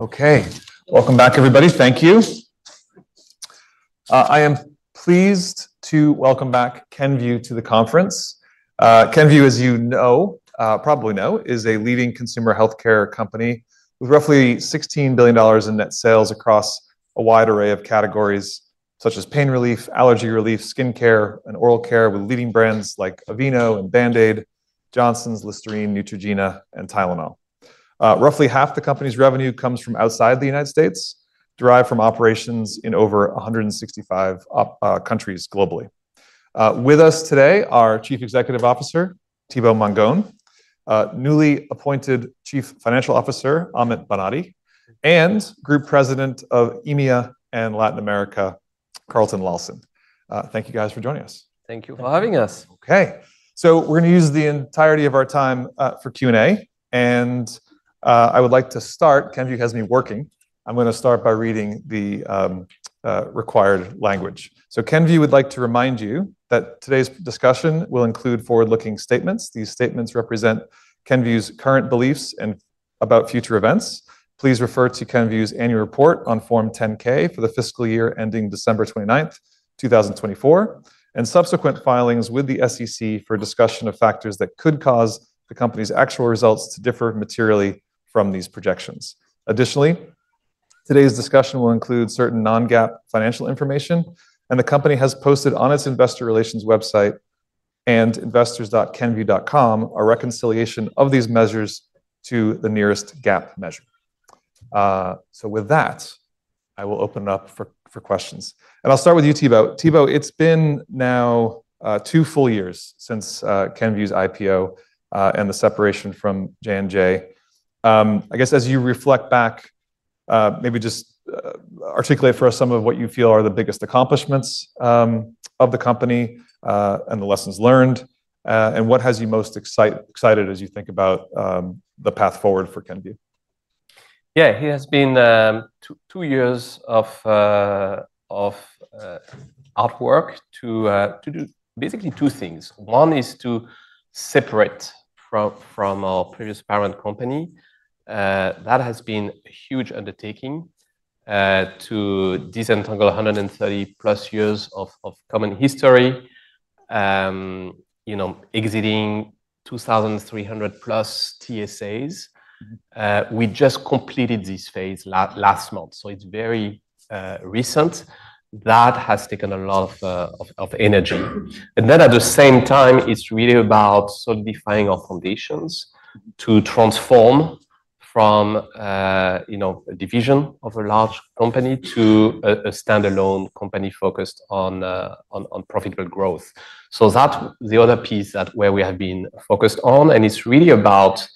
Okay, welcome back, everybody. Thank you. I am pleased to welcome back Kenvue to the conference. Kenvue, as you probably know, is a leading consumer healthcare company with roughly $16 billion in net sales across a wide array of categories such as pain relief, allergy relief, skin care, and oral care, with leading brands like Aveeno, Band-Aid, Johnson's, Listerine, Neutrogena, and Tylenol. Roughly half the company's revenue comes from outside the U.S., derived from operations in over 165 countries globally. With us today are Chief Executive Officer Thibaut Mongon, newly appointed Chief Financial Officer Amit Banati, and Group President of EMEA and Latin America, Carlton Lawson. Thank you, guys, for joining us. Thank you for having us. Okay, so we're going to use the entirety of our time for Q&A, and I would like to start. Kenvue has me working. I'm going to start by reading the required language. Kenvue would like to remind you that today's discussion will include forward-looking statements. These statements represent Kenvue's current beliefs about future events. Please refer to Kenvue's annual report on Form 10-K for the fiscal year ending December 29, 2024, and subsequent filings with the SEC for discussion of factors that could cause the company's actual results to differ materially from these projections. Additionally, today's discussion will include certain non-GAAP financial information, and the company has posted on its investor relations website and investors.kenvue.com a reconciliation of these measures to the nearest GAAP measure. With that, I will open it up for questions. I'll start with you, Thibaut. Thibaut, it's been now two full years since Kenvue's IPO and the separation from J&J. I guess, as you reflect back, maybe just articulate for us some of what you feel are the biggest accomplishments of the company and the lessons learned, and what has you most excited as you think about the path forward for Kenvue? Yeah, it has been two years of hard work to do basically two things. One is to separate from our previous parent company. That has been a huge undertaking to disentangle 130 plus years of common history, exiting 2,300 plus TSAs. We just completed this phase last month, so it's very recent. That has taken a lot of energy. At the same time, it's really about solidifying our foundations to transform from a division of a large company to a standalone company focused on profitable growth. That's the other piece where we have been focused on, and it's really about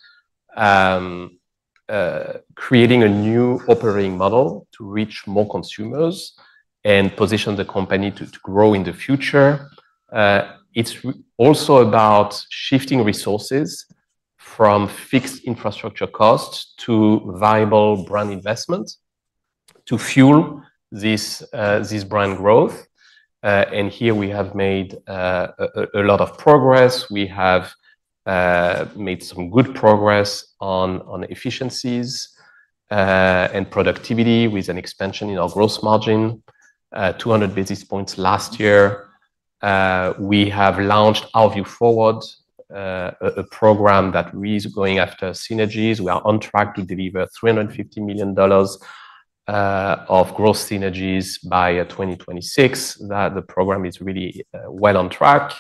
creating a new operating model to reach more consumers and position the company to grow in the future. It's also about shifting resources from fixed infrastructure costs to viable brand investments to fuel this brand growth. Here we have made a lot of progress. We have made some good progress on efficiencies and productivity with an expansion in our gross margin, 200 basis points last year. We have launched Our View Forward, a program that is going after synergies. We are on track to deliver $350 million of gross synergies by 2026. The program is really well on track.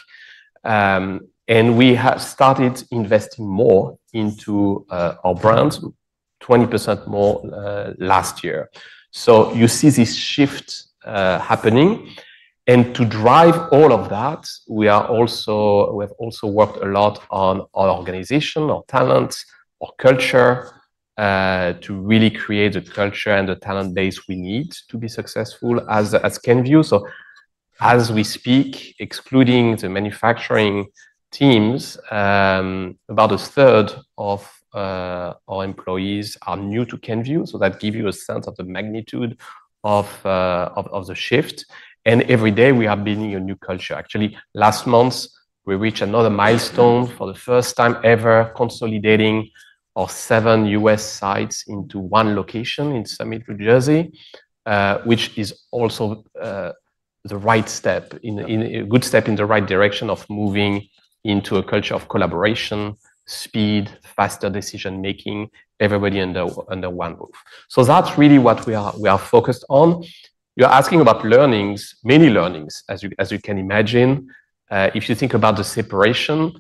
We have started investing more into our brand, 20% more last year. You see this shift happening. To drive all of that, we have also worked a lot on our organization, our talent, our culture, to really create the culture and the talent base we need to be successful as Kenvue. As we speak, excluding the manufacturing teams, about a third of our employees are new to Kenvue. That gives you a sense of the magnitude of the shift. Every day, we are building a new culture. Actually, last month, we reached another milestone for the first time ever, consolidating our seven US sites into one location in Summit, New Jersey, which is also the right step, a good step in the right direction of moving into a culture of collaboration, speed, faster decision-making, everybody under one roof. That is really what we are focused on. You're asking about learnings, many learnings, as you can imagine. If you think about the separation,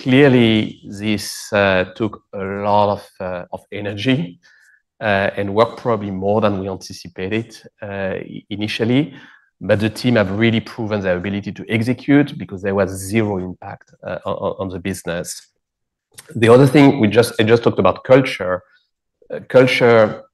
clearly, this took a lot of energy and worked probably more than we anticipated initially. The team have really proven their ability to execute because there was zero impact on the business. The other thing, I just talked about culture. Culture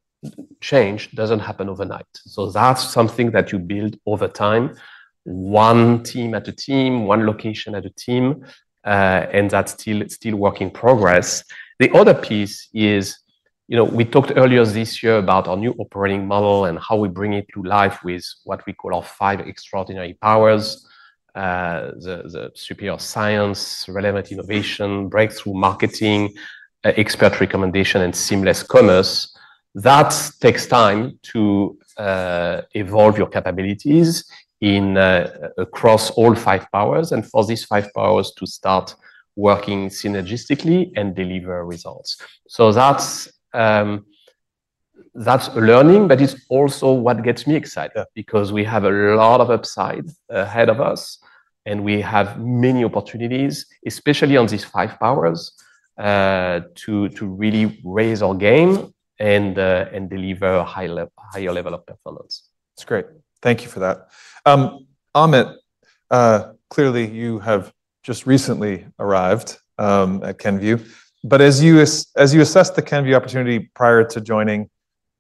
change does not happen overnight. That is something that you build over time, one team at a time, one location at a time, and that is still a work in progress. The other piece is we talked earlier this year about our new operating model and how we bring it to life with what we call our five extraordinary powers: the superior science, relevant innovation, breakthrough marketing, expert recommendation, and seamless commerce. That takes time to evolve your capabilities across all five powers and for these five powers to start working synergistically and deliver results. That is a learning, but it is also what gets me excited because we have a lot of upsides ahead of us, and we have many opportunities, especially on these five powers, to really raise our game and deliver a higher level of performance. That's great. Thank you for that. Amit, clearly, you have just recently arrived at Kenvue. As you assessed the Kenvue opportunity prior to joining,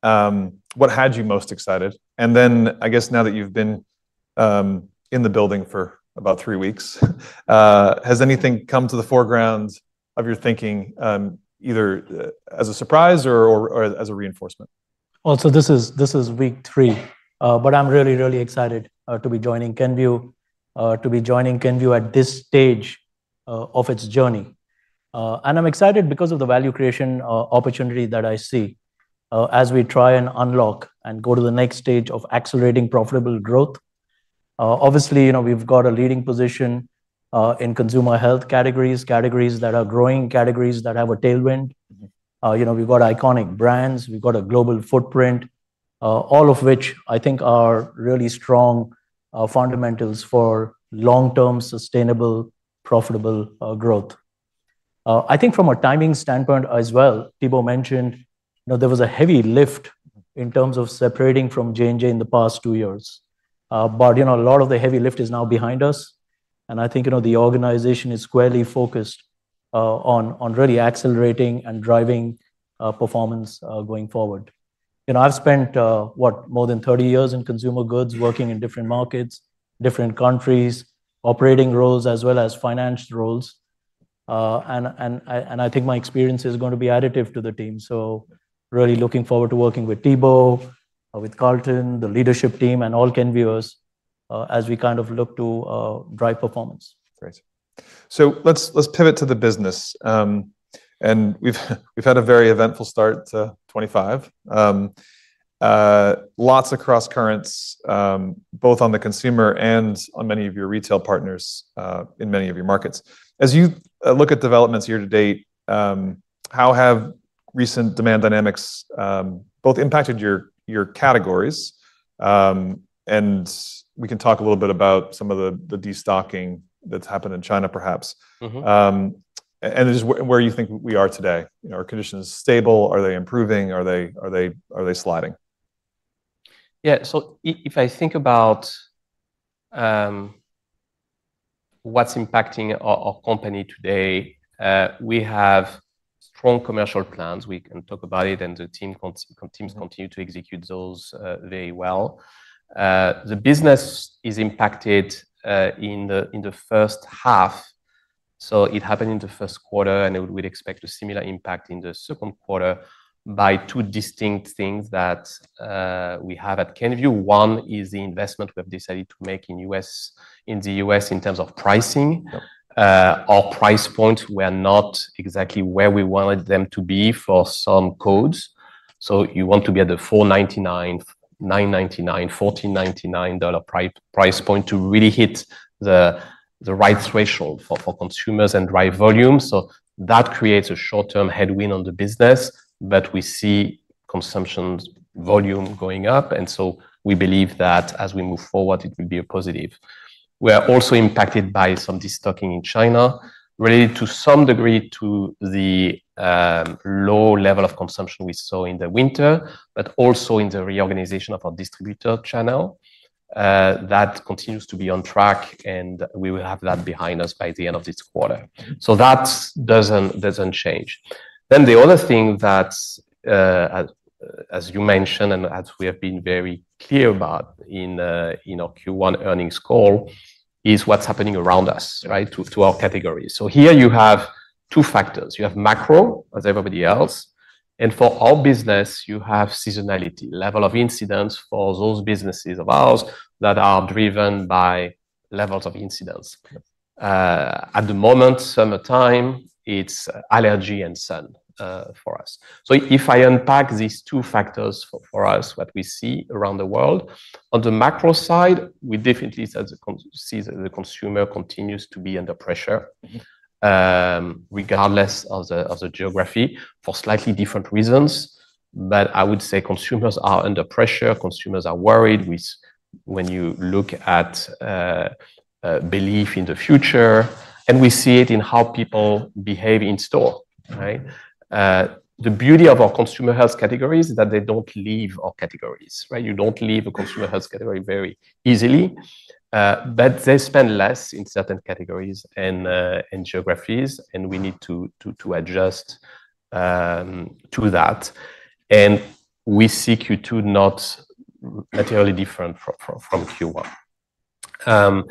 what had you most excited? I guess, now that you've been in the building for about three weeks, has anything come to the foreground of your thinking, either as a surprise or as a reinforcement? This is week three, but I'm really, really excited to be joining Kenvue, to be joining Kenvue at this stage of its journey. I'm excited because of the value creation opportunity that I see as we try and unlock and go to the next stage of accelerating profitable growth. Obviously, we've got a leading position in consumer health categories, categories that are growing, categories that have a tailwind. We've got iconic brands. We've got a global footprint, all of which I think are really strong fundamentals for long-term sustainable, profitable growth. I think from a timing standpoint as well, Thibaut mentioned, there was a heavy lift in terms of separating from Johnson & Johnson in the past two years. A lot of the heavy lift is now behind us. I think the organization is squarely focused on really accelerating and driving performance going forward. I've spent, what, more than 30 years in consumer goods, working in different markets, different countries, operating roles, as well as finance roles. I think my experience is going to be additive to the team. Really looking forward to working with Thibaut, with Carlton, the leadership team, and all Kenvuers as we kind of look to drive performance. Great. Let's pivot to the business. We've had a very eventful start to 2025. Lots of cross-currents, both on the consumer and on many of your retail partners in many of your markets. As you look at developments year to date, how have recent demand dynamics both impacted your categories? We can talk a little bit about some of the destocking that's happened in China, perhaps, and just where you think we are today. Are conditions stable? Are they improving? Are they sliding? Yeah, so if I think about what's impacting our company today, we have strong commercial plans. We can talk about it, and the teams continue to execute those very well. The business is impacted in the first half. It happened in the first quarter, and we'd expect a similar impact in the second quarter by two distinct things that we have at Kenvue. One is the investment we have decided to make in the US in terms of pricing. Our price points were not exactly where we wanted them to be for some codes. You want to be at the $4.99, $9.99, $14.99 price point to really hit the right threshold for consumers and drive volume. That creates a short-term headwind on the business, but we see consumption volume going up. We believe that as we move forward, it will be a positive. We are also impacted by some destocking in China, related to some degree to the low level of consumption we saw in the winter, but also in the reorganization of our distributor channel. That continues to be on track, and we will have that behind us by the end of this quarter. That does not change. The other thing that, as you mentioned and as we have been very clear about in our Q1 earnings call, is what is happening around us, right, to our categories. Here you have two factors. You have macro, as everybody else. For our business, you have seasonality, level of incidence for those businesses of ours that are driven by levels of incidence. At the moment, summertime, it is allergy and sun for us. If I unpack these two factors for us, what we see around the world, on the macro side, we definitely see the consumer continues to be under pressure, regardless of the geography, for slightly different reasons. I would say consumers are under pressure. Consumers are worried when you look at belief in the future. We see it in how people behave in store, right? The beauty of our consumer health categories is that they do not leave our categories, right? You do not leave a consumer health category very easily, but they spend less in certain categories and geographies, and we need to adjust to that. We see Q2 not materially different from Q1.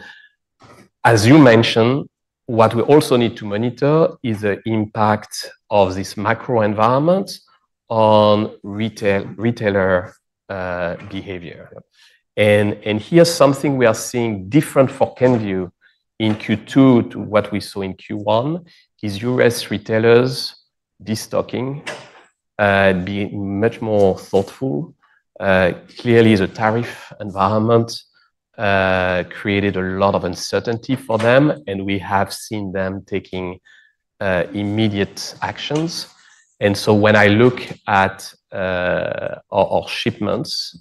As you mentioned, what we also need to monitor is the impact of this macro environment on retailer behavior. Here's something we are seeing different for Kenvue in Q2 to what we saw in Q1: U.S. retailers destocking, being much more thoughtful. Clearly, the tariff environment created a lot of uncertainty for them, and we have seen them taking immediate actions. When I look at our shipments,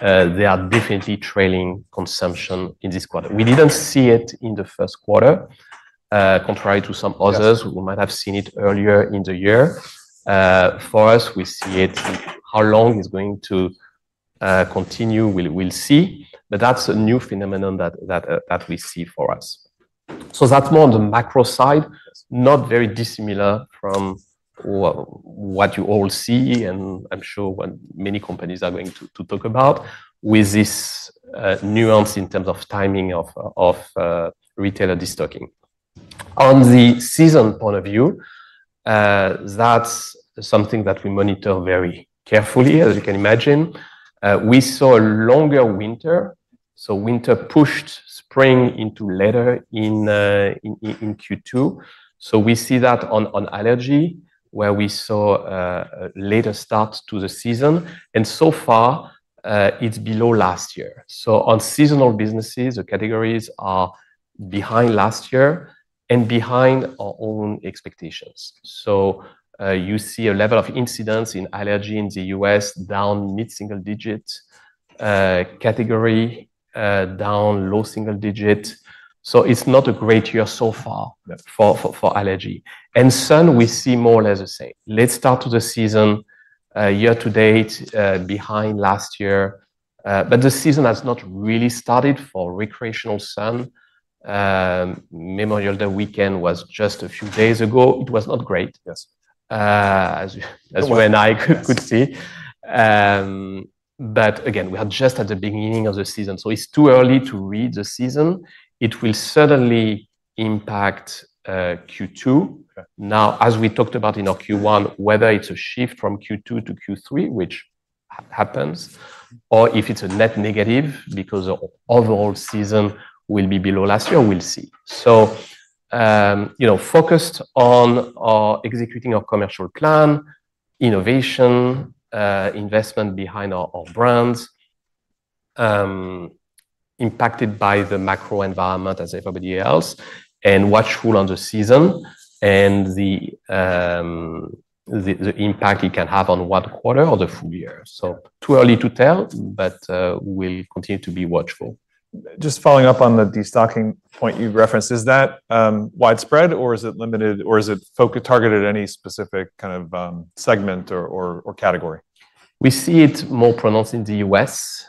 they are definitely trailing consumption in this quarter. We did not see it in the first quarter, contrary to some others who might have seen it earlier in the year. For us, we see it. How long it is going to continue, we will see. That is a new phenomenon that we see for us. That is more on the macro side, not very dissimilar from what you all see, and I am sure many companies are going to talk about, with this nuance in terms of timing of retailer destocking. On the season point of view, that's something that we monitor very carefully, as you can imagine. We saw a longer winter. So winter pushed spring into later in Q2. We see that on allergy, where we saw a later start to the season. And so far, it's below last year. On seasonal businesses, the categories are behind last year and behind our own expectations. You see a level of incidence in allergy in the US down mid-single digit category, down low single digit. It's not a great year so far for allergy. Sun, we see more or less the same. Late start to the season year to date behind last year. The season has not really started for recreational sun. Memorial Day weekend was just a few days ago. It was not great, as you and I could see. Again, we are just at the beginning of the season. It is too early to read the season. It will certainly impact Q2. Now, as we talked about in our Q1, whether it is a shift from Q2 to Q3, which happens, or if it is a net negative because the overall season will be below last year, we will see. Focused on executing our commercial plan, innovation, investment behind our brands, impacted by the macro environment, as everybody else, and watchful on the season and the impact it can have on one quarter or the full year. It is too early to tell, but we will continue to be watchful. Just following up on the destocking point you referenced, is that widespread, or is it limited, or is it targeted at any specific kind of segment or category? We see it more pronounced in the U.S.,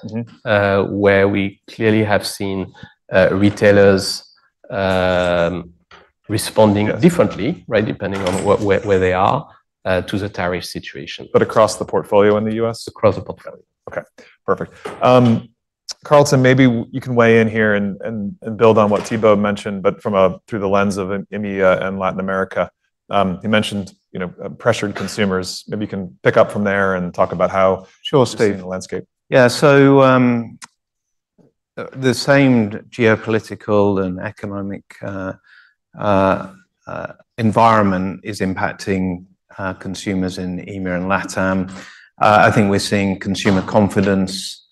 where we clearly have seen retailers responding differently, right, depending on where they are to the tariff situation. Across the portfolio in the U.S.? Across the portfolio. Okay. Perfect. Carlton, maybe you can weigh in here and build on what Thibaut mentioned, but through the lens of India and Latin America. You mentioned pressured consumers. Maybe you can pick up from there and talk about how you've seen the landscape. Sure. Yeah. The same geopolitical and economic environment is impacting consumers in India and Latin America. I think we're seeing consumer confidence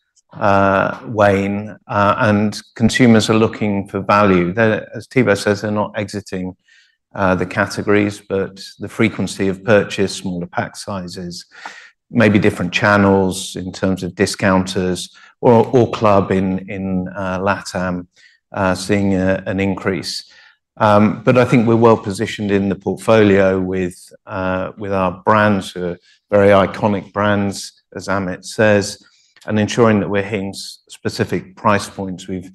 wane, and consumers are looking for value. As Thibaut says, they're not exiting the categories, but the frequency of purchase, smaller pack sizes, maybe different channels in terms of discounters or club in Latin America, seeing an increase. I think we're well positioned in the portfolio with our brands, very iconic brands, as Amit says, and ensuring that we're hitting specific price points. We've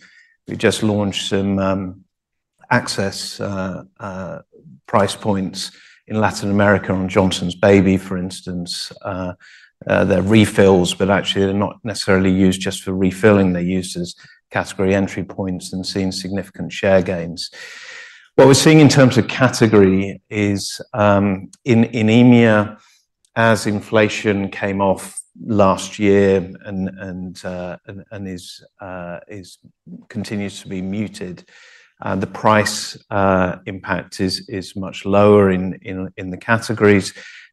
just launched some access price points in Latin America on Johnson's Baby, for instance. They're refills, but actually, they're not necessarily used just for refilling. They're used as category entry points and seeing significant share gains. What we're seeing in terms of category is in India, as inflation came off last year and continues to be muted, the price impact is much lower in the categories.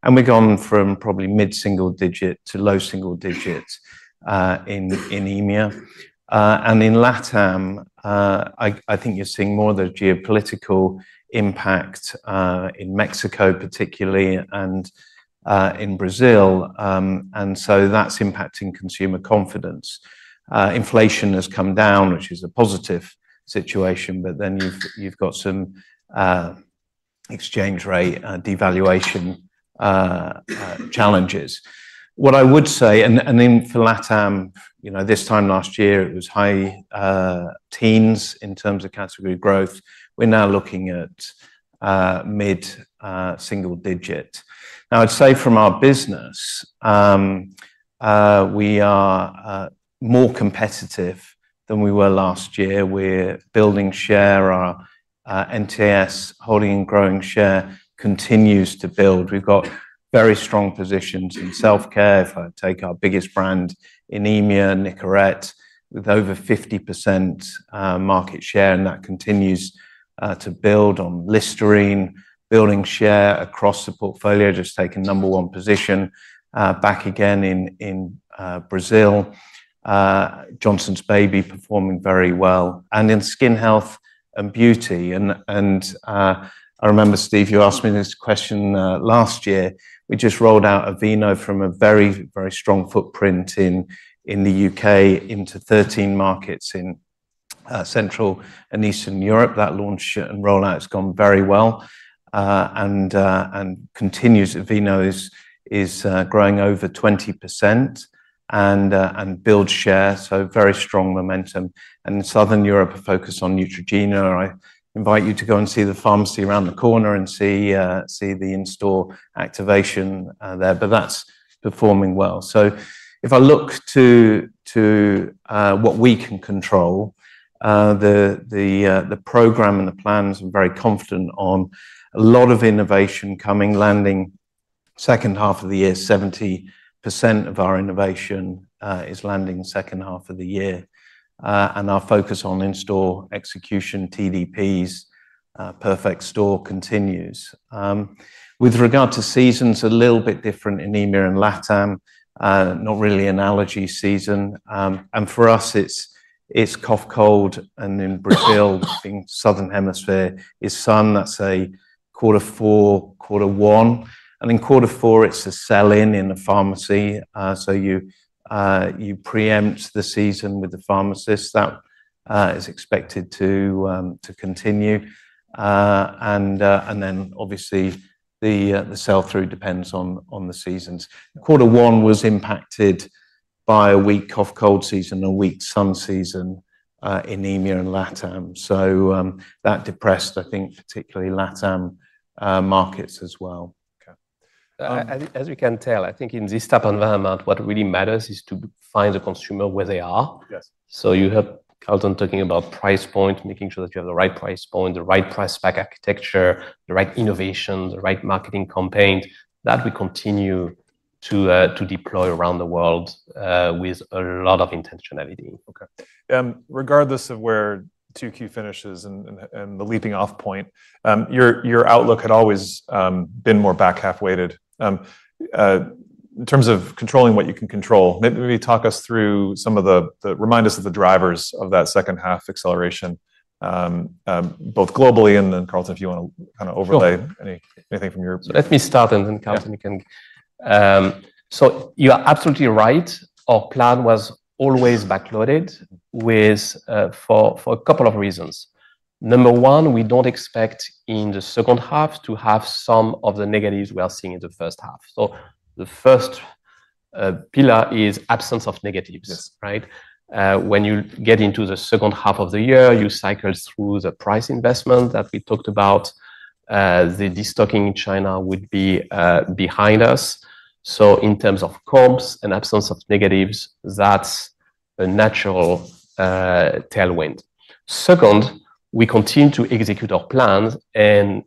We've gone from probably mid-single digit to low single digit in India. In Latin America, I think you're seeing more of the geopolitical impact in Mexico, particularly, and in Brazil. That is impacting consumer confidence. Inflation has come down, which is a positive situation, but then you've got some exchange rate devaluation challenges. What I would say, for Latin America, this time last year, it was high teens in terms of category growth. We're now looking at mid-single digit. I'd say from our business, we are more competitive than we were last year. We're building share. Our NTS holding and growing share continues to build. We've got very strong positions in self-care. If I take our biggest brand in India, Nicorette, with over 50% market share, and that continues to build on Listerine, building share across the portfolio, just taking number one position back again in Brazil. Johnson's Baby performing very well. In skin health and beauty. I remember, Steve, you asked me this question last year. We just rolled out Aveeno from a very, very strong footprint in the U.K. into 13 markets in Central and Eastern Europe. That launch and rollout has gone very well and continues. Aveeno is growing over 20% and builds share, so very strong momentum. In Southern Europe, a focus on Neutrogena. I invite you to go and see the pharmacy around the corner and see the in-store activation there. That is performing well. If I look to what we can control, the program and the plans, I'm very confident on a lot of innovation coming, landing second half of the year. 70% of our innovation is landing second half of the year. Our focus on in-store execution, TDPs, perfect store continues. With regard to seasons, a little bit different in India and LatAm, not really an allergy season. For us, it's cough cold. In Brazil, being Southern Hemisphere, it's sun. That's a quarter four, quarter one. In quarter four, it's a sell-in in the pharmacy. You preempt the season with the pharmacist. That is expected to continue. Obviously, the sell-through depends on the seasons. Quarter one was impacted by a weak cough cold season and a weak sun season in India and LatAm. That depressed, I think, particularly LatAm markets as well. As we can tell, I think in this type of environment, what really matters is to find the consumer where they are. You have Carlton talking about price points, making sure that you have the right price point, the right price spec architecture, the right innovation, the right marketing campaign that we continue to deploy around the world with a lot of intentionality. Regardless of where 2Q finishes and the leaping-off point, your outlook had always been more back half-weighted in terms of controlling what you can control. Maybe talk us through some of the, remind us of the drivers of that second half acceleration, both globally and then, Carlton, if you want to kind of overlay anything from your perspective. Let me start, and then Carlton can. You are absolutely right. Our plan was always backloaded for a couple of reasons. Number one, we do not expect in the second half to have some of the negatives we are seeing in the first half. The first pillar is absence of negatives, right? When you get into the second half of the year, you cycle through the price investment that we talked about. The destocking in China would be behind us. In terms of comps and absence of negatives, that is a natural tailwind. Second, we continue to execute our plans and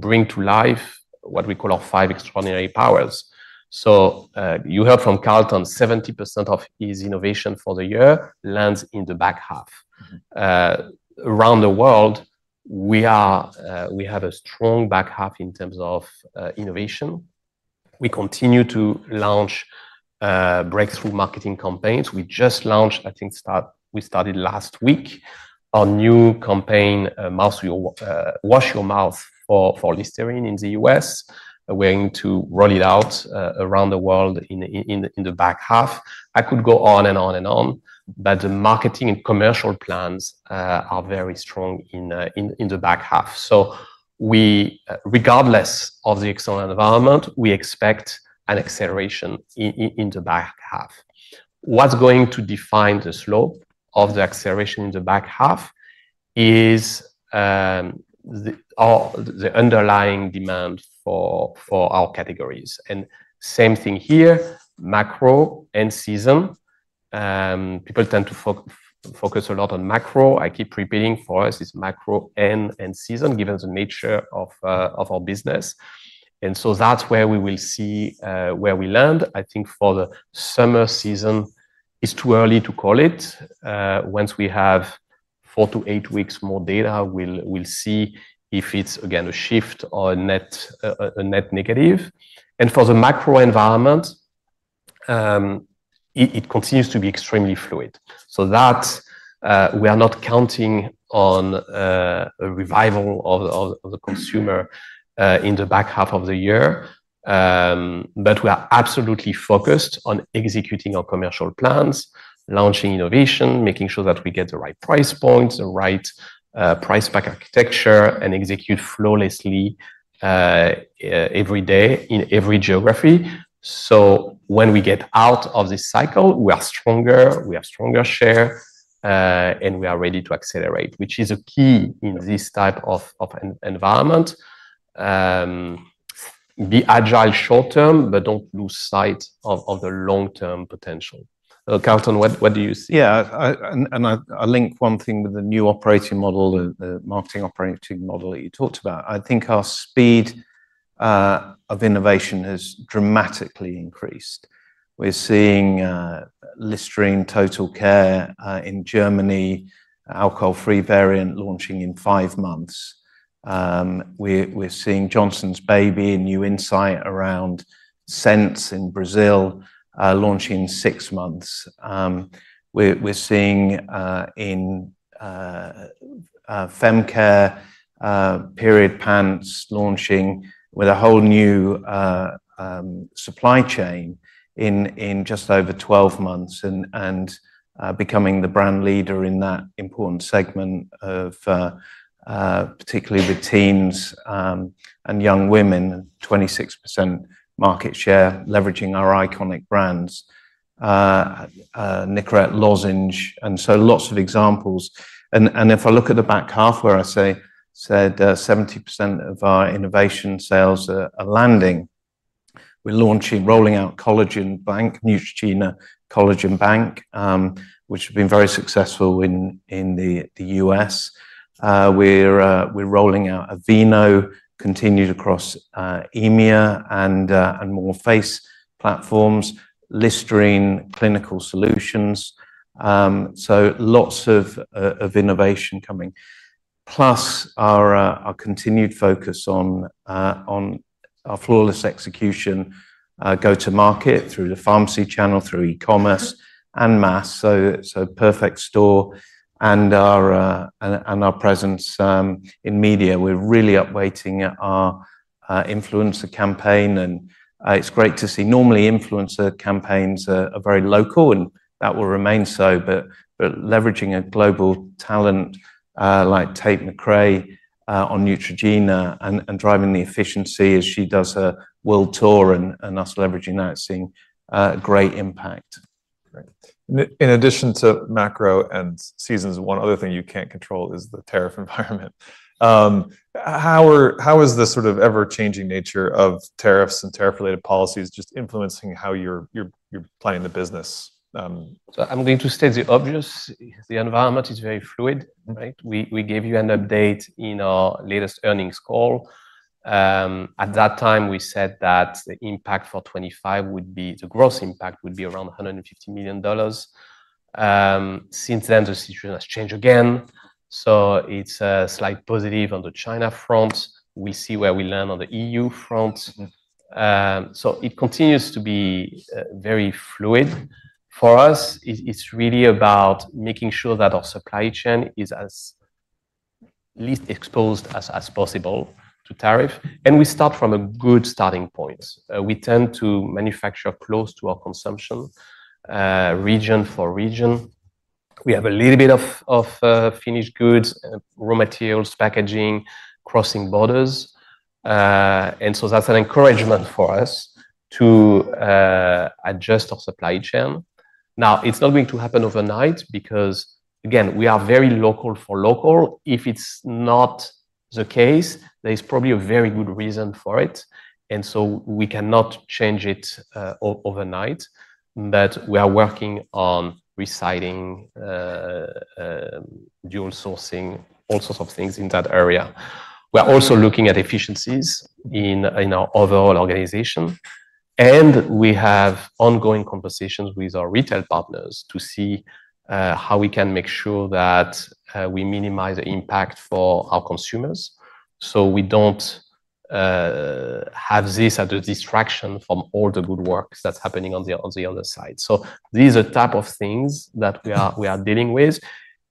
bring to life what we call our five extraordinary powers. You heard from Carlton, 70% of his innovation for the year lands in the back half. Around the world, we have a strong back half in terms of innovation. We continue to launch breakthrough marketing campaigns. We just launched, I think we started last week, our new campaign, Wash Your Mouth for Listerine in the U.S. We're going to roll it out around the world in the back half. I could go on and on and on, but the marketing and commercial plans are very strong in the back half. Regardless of the external environment, we expect an acceleration in the back half. What's going to define the slope of the acceleration in the back half is the underlying demand for our categories. Same thing here, macro and season. People tend to focus a lot on macro. I keep repeating, for us, it's macro and season, given the nature of our business. That's where we will see where we land. I think for the summer season, it's too early to call it. Once we have four to eight weeks more data, we'll see if it's, again, a shift or a net negative. For the macro environment, it continues to be extremely fluid. We are not counting on a revival of the consumer in the back half of the year. We are absolutely focused on executing our commercial plans, launching innovation, making sure that we get the right price points, the right price spec architecture, and execute flawlessly every day in every geography. When we get out of this cycle, we are stronger, we have stronger share, and we are ready to accelerate, which is a key in this type of environment. Be agile short term, but do not lose sight of the long-term potential. Carlton, what do you see? Yeah. And I'll link one thing with the new operating model, the marketing operating model that you talked about. I think our speed of innovation has dramatically increased. We're seeing Listerine Total Care in Germany, alcohol-free variant launching in five months. We're seeing Johnson's Baby, a new insight around scents in Brazil, launching in six months. We're seeing in FemCare period pants launching with a whole new supply chain in just over 12 months and becoming the brand leader in that important segment, particularly with teens and young women, 26% market share, leveraging our iconic brands, Nicorette, Lozenge. And so lots of examples. If I look at the back half, where I said 70% of our innovation sales are landing, we're launching, rolling out Collagen Bank, Neutrogena Collagen Bank, which has been very successful in the U.S. We're rolling out Aveeno, continued across India and more face platforms, Listerine clinical solutions. Lots of innovation coming. Plus our continued focus on our flawless execution, go-to-market through the pharmacy channel, through e-commerce and mass. Perfect store and our presence in media. We're really updating our influencer campaign. It's great to see normally influencer campaigns are very local, and that will remain so, but leveraging a global talent like Tate McRae on Neutrogena and driving the efficiency as she does her world tour and us leveraging that, seeing a great impact. In addition to macro and seasons, one other thing you can't control is the tariff environment. How is the sort of ever-changing nature of tariffs and tariff-related policies just influencing how you're playing the business? I'm going to state the obvious. The environment is very fluid, right? We gave you an update in our latest earnings call. At that time, we said that the impact for 2025 would be, the gross impact would be around $150 million. Since then, the situation has changed again. It is a slight positive on the China front. We will see where we land on the E.U. front. It continues to be very fluid for us. It is really about making sure that our supply chain is as least exposed as possible to tariff. We start from a good starting point. We tend to manufacture close to our consumption, region for region. We have a little bit of finished goods, raw materials, packaging, crossing borders. That is an encouragement for us to adjust our supply chain. Now, it's not going to happen overnight because, again, we are very local for local. If it's not the case, there is probably a very good reason for it. We cannot change it overnight. We are working on residing, dual sourcing, all sorts of things in that area. We're also looking at efficiencies in our overall organization. We have ongoing conversations with our retail partners to see how we can make sure that we minimize the impact for our consumers so we do not have this as a distraction from all the good work that's happening on the other side. These are the type of things that we are dealing with.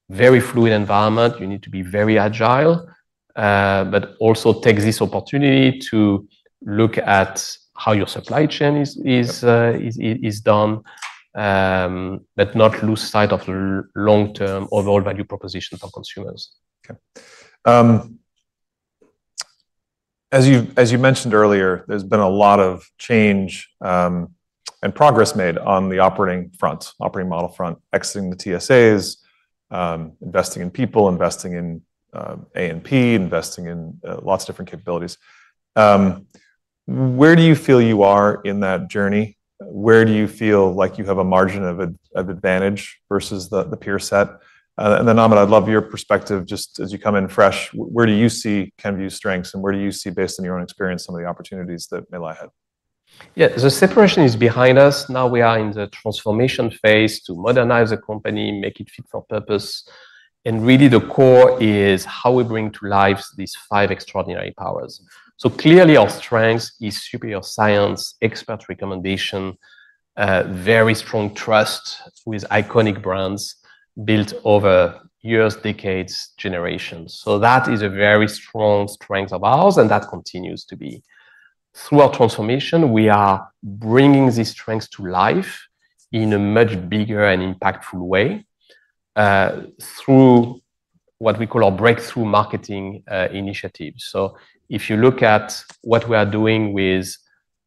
Very fluid environment. You need to be very agile, but also take this opportunity to look at how your supply chain is done, but not lose sight of the long-term overall value proposition for consumers. As you mentioned earlier, there's been a lot of change and progress made on the operating front, operating model front, exiting the TSAs, investing in people, investing in A&P, investing in lots of different capabilities. Where do you feel you are in that journey? Where do you feel like you have a margin of advantage versus the peer set? Amit, I'd love your perspective just as you come in fresh. Where do you see Kenvue's strengths and where do you see, based on your own experience, some of the opportunities that may lie ahead? Yeah. The separation is behind us. Now we are in the transformation phase to modernize the company, make it fit for purpose. Really, the core is how we bring to life these five extraordinary powers. Clearly, our strength is superior science, expert recommendation, very strong trust with iconic brands built over years, decades, generations. That is a very strong strength of ours, and that continues to be. Through our transformation, we are bringing these strengths to life in a much bigger and impactful way through what we call our breakthrough marketing initiatives. If you look at what we are doing with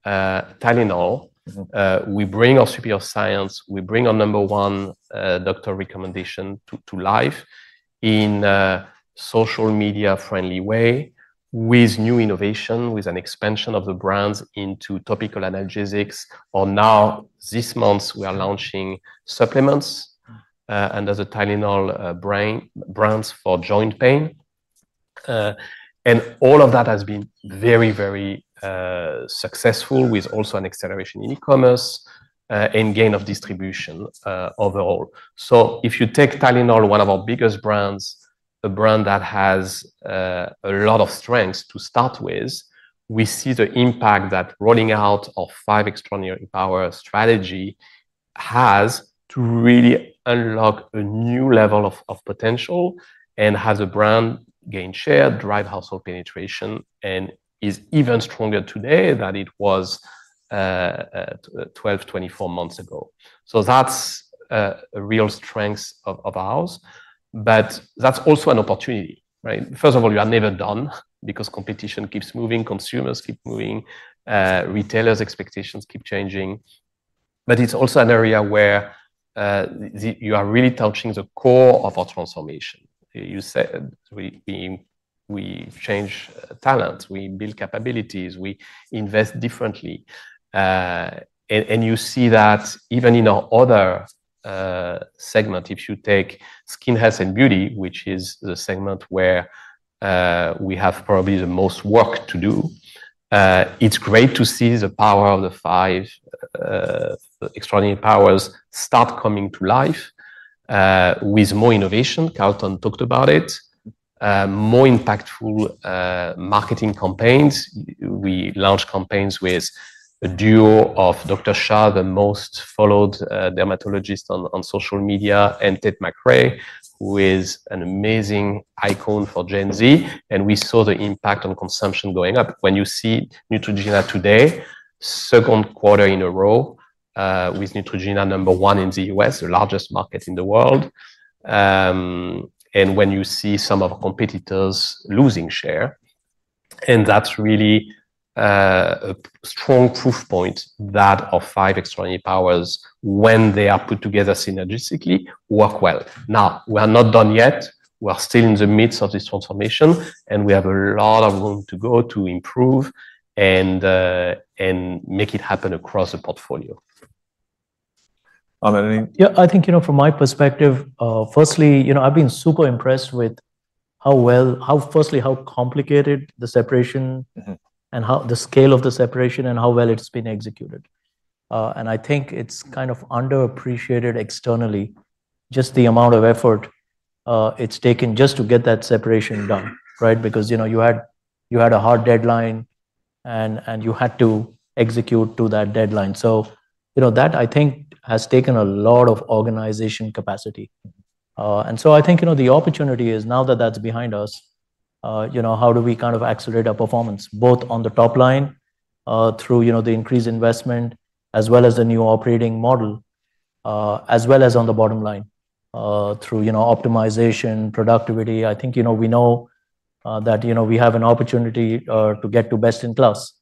Tylenol, we bring our superior science, we bring our number one doctor recommendation to life in a social media-friendly way with new innovation, with an expansion of the brands into topical analgesics. Now, this month, we are launching supplements under the Tylenol brands for joint pain. All of that has been very, very successful with also an acceleration in e-commerce and gain of distribution overall. If you take Tylenol, one of our biggest brands, a brand that has a lot of strengths to start with, we see the impact that rolling out our five extraordinary power strategy has to really unlock a new level of potential and has a brand gain share, drive household penetration, and is even stronger today than it was 12, 24 months ago. That is a real strength of ours. That is also an opportunity, right? First of all, you are never done because competition keeps moving, consumers keep moving, retailers' expectations keep changing. It is also an area where you are really touching the core of our transformation. We change talents, we build capabilities, we invest differently. You see that even in our other segment, if you take skin health and beauty, which is the segment where we have probably the most work to do, it is great to see the power of the five extraordinary powers start coming to life with more innovation. Carlton talked about it, more impactful marketing campaigns. We launch campaigns with a duo of Dr. Shah, the most followed dermatologist on social media, and Tate McRae, who is an amazing icon for Gen Z. We saw the impact on consumption going up. When you see Neutrogena today, second quarter in a row with Neutrogena number one in the US, the largest market in the world. When you see some of our competitors losing share, and that's really a strong proof point that our five extraordinary powers, when they are put together synergistically, work well. Now, we are not done yet. We're still in the midst of this transformation, and we have a lot of room to go to improve and make it happen across the portfolio. Amit. Yeah, I think from my perspective, firstly, I've been super impressed with how well, firstly, how complicated the separation and the scale of the separation and how well it's been executed. I think it's kind of underappreciated externally, just the amount of effort it's taken just to get that separation done, right? Because you had a hard deadline and you had to execute to that deadline. That, I think, has taken a lot of organization capacity. I think the opportunity is now that that's behind us, how do we kind of accelerate our performance, both on the top line through the increased investment, as well as the new operating model, as well as on the bottom line through optimization, productivity? I think we know that we have an opportunity to get to best in class.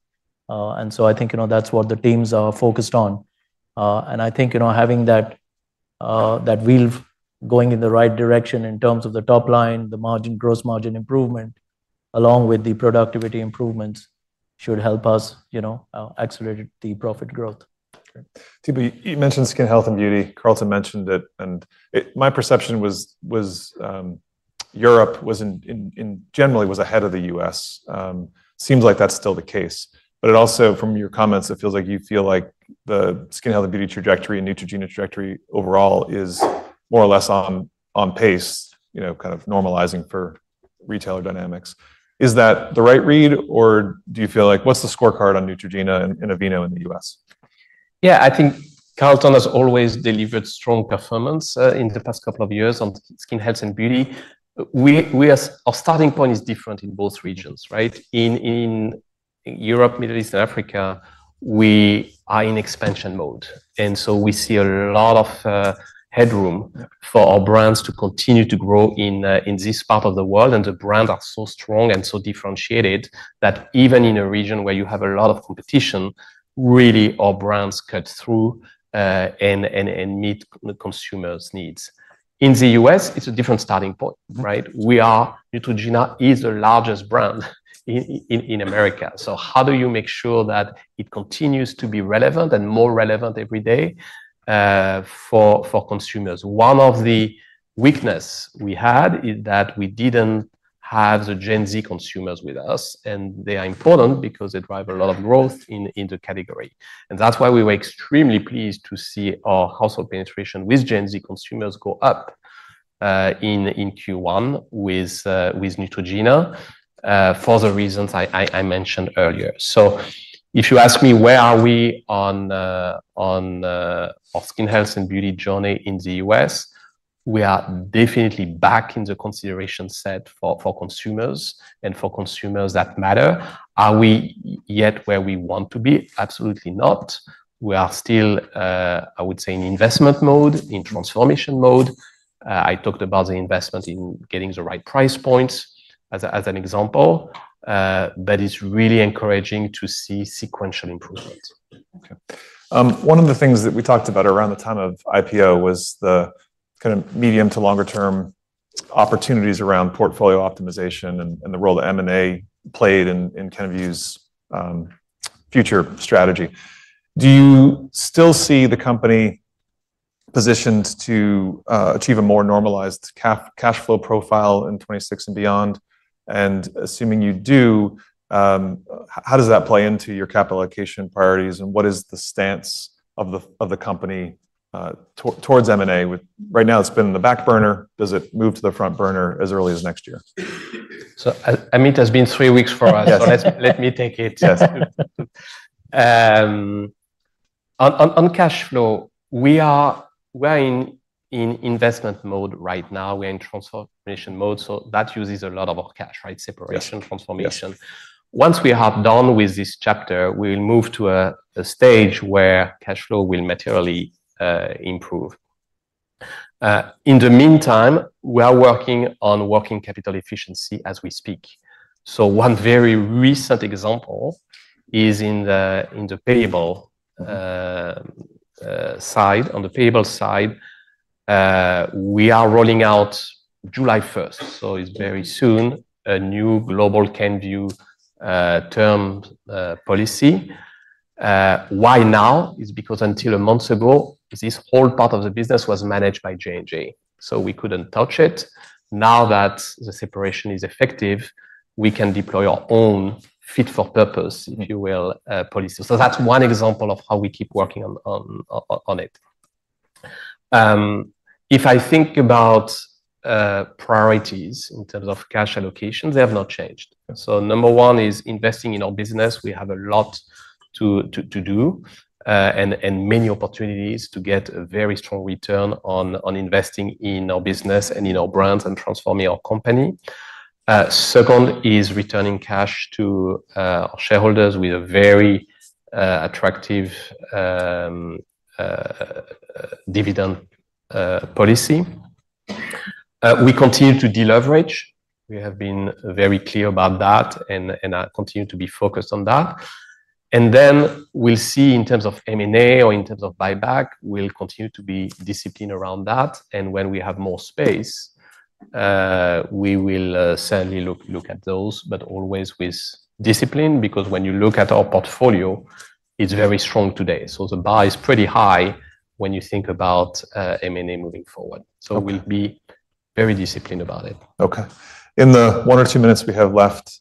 I think that's what the teams are focused on. I think having that wheel going in the right direction in terms of the top line, the margin, gross margin improvement, along with the productivity improvements should help us accelerate the profit growth. You mentioned skin health and beauty. Carlton mentioned it. My perception was Europe generally was ahead of the U.S. Seems like that's still the case. Also, from your comments, it feels like you feel like the skin health and beauty trajectory and Neutrogena trajectory overall is more or less on pace, kind of normalizing for retailer dynamics. Is that the right read, or do you feel like what's the scorecard on Neutrogena and Aveeno in the U.S.? Yeah, I think Carlton has always delivered strong performance in the past couple of years on skin health and beauty. Our starting point is different in both regions, right? In Europe, Middle East, and Africa, we are in expansion mode. We see a lot of headroom for our brands to continue to grow in this part of the world. The brands are so strong and so differentiated that even in a region where you have a lot of competition, really, our brands cut through and meet the consumer's needs. In the U.S., it's a different starting point, right? Neutrogena is the largest brand in America. How do you make sure that it continues to be relevant and more relevant every day for consumers? One of the weaknesses we had is that we didn't have the Gen Z consumers with us. They are important because they drive a lot of growth in the category. That is why we were extremely pleased to see our household penetration with Gen Z consumers go up in Q1 with Neutrogena for the reasons I mentioned earlier. If you ask me where are we on our skin health and beauty journey in the U.S., we are definitely back in the consideration set for consumers and for consumers that matter. Are we yet where we want to be? Absolutely not. We are still, I would say, in investment mode, in transformation mode. I talked about the investment in getting the right price points as an example. It is really encouraging to see sequential improvements. One of the things that we talked about around the time of IPO was the kind of medium to longer-term opportunities around portfolio optimization and the role that M&A played in Kenvue's future strategy. Do you still see the company positioned to achieve a more normalized cash flow profile in 2026 and beyond? Assuming you do, how does that play into your capital allocation priorities, and what is the stance of the company towards M&A? Right now, it's been in the back burner. Does it move to the front burner as early as next year? Amit, it has been three weeks for us, so let me take it. On cash flow, we are in investment mode right now. We are in transformation mode. That uses a lot of our cash, right? Separation, transformation. Once we are done with this chapter, we will move to a stage where cash flow will materially improve. In the meantime, we are working on working capital efficiency as we speak. One very recent example is in the payable side. On the payable side, we are rolling out July 1. It is very soon, a new global Kenvue term policy. Why now? It is because until a month ago, this whole part of the business was managed by J&J. We could not touch it. Now that the separation is effective, we can deploy our own fit for purpose, if you will, policy. That's one example of how we keep working on it. If I think about priorities in terms of cash allocation, they have not changed. Number one is investing in our business. We have a lot to do and many opportunities to get a very strong return on investing in our business and in our brands and transforming our company. Second is returning cash to our shareholders with a very attractive dividend policy. We continue to deleverage. We have been very clear about that and continue to be focused on that. We'll see in terms of M&A or in terms of buyback, we'll continue to be disciplined around that. When we have more space, we will certainly look at those, but always with discipline because when you look at our portfolio, it's very strong today. The bar is pretty high when you think about M&A moving forward. We'll be very disciplined about it. Okay. In the one or two minutes we have left,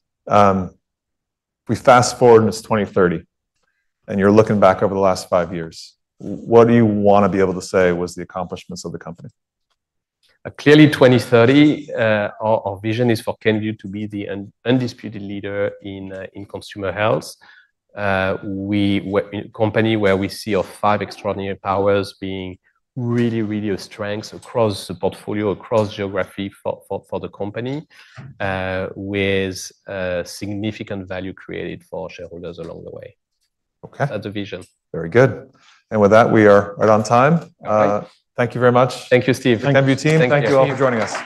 we fast forward and it is 2030, and you are looking back over the last five years. What do you want to be able to say was the accomplishments of the company? Clearly, 2030, our vision is for Kenvue to be the undisputed leader in consumer health. We are a company where we see our five extraordinary powers being really, really a strength across the portfolio, across geography for the company, with significant value created for shareholders along the way. That's the vision. Very good. And with that, we are right on time. Thank you very much. Thank you, Steve. Thank you, team. Thank you all for joining us.